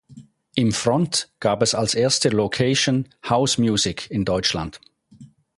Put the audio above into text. Im Front gab es als erste Location House-Musik in Deutschland.